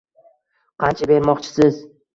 Qancha bermoqchisiz